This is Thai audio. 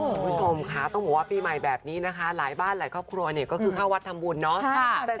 คุณผู้ชมค่ะต้องบอกว่าปีใหม่แบบนี้นะคะหลายบ้านหลายครอบครัวเนี่ยก็คือเข้าวัดทำบุญเนาะ